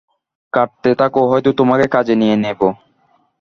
কাটতে থাকো হয়তো তোমাকে কাজে নিয়ে নেবো।